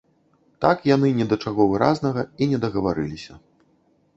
Так яны ні да чаго выразнага і не дагаварыліся.